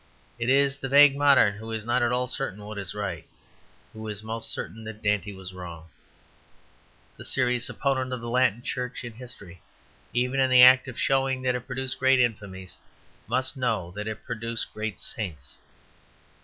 It is the vague modern who is not at all certain what is right who is most certain that Dante was wrong. The serious opponent of the Latin Church in history, even in the act of showing that it produced great infamies, must know that it produced great saints.